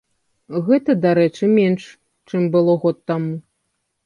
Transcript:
Гэта, дарэчы, менш, чым было год таму.